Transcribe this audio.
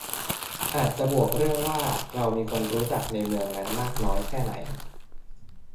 อาจจะบวกเรื่องว่าเรามีคนรู้จักในเมืองนั้นมากน้อยแค่ไหน